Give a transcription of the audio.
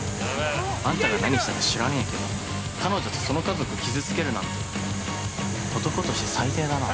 あんたが何したか知らねえけど、彼女とその家族、傷つけるなんて、男として最低だな。